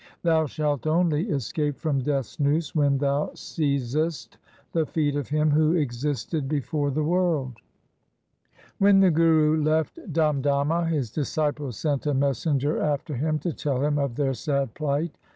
Thou shalt only escape from Death's noose when thou seizest the feet of Him who existed before the world. 1 When the Guru left Damdama, his disciples sent a messenger after him to tell him of their sad plight.